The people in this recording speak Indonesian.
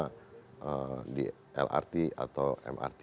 nah komponen komponen yang sama di lrt atau mrt